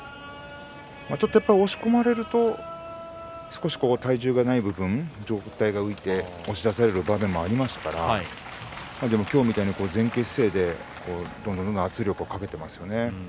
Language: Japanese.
ちょっとやっぱり押し込まれると少し体重がない分上体が浮いて押し出される場面もありましたからでも今日みたいに前傾姿勢でどんどんどんどん圧力をかけていますよね。